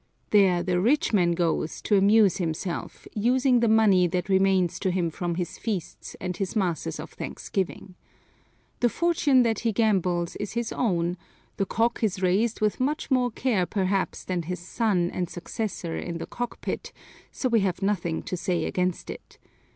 There the rich man goes to amuse himself, using the money that remains to him from his feasts and his masses of thanksgiving. The fortune that he gambles is his own, the cock is raised with much more care perhaps than his son and successor in the cockpit, so we have nothing to say against it.